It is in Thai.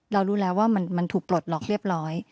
รู้แล้วว่ามันถูกปลดล็อกเรียบร้อย